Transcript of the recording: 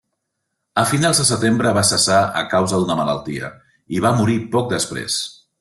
A finals de setembre va cessar a causa d'una malaltia i va morir poc després.